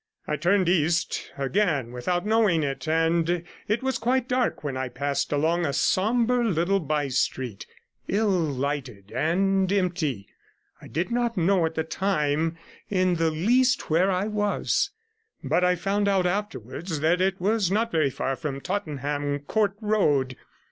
I turned east again without knowing it, and it was quite dark when I passed along a sombre little by street, ill lighted and empty. I did not know at the time in the least where I was, but I found out afterwards that it was not very far from Tottenham Court Road.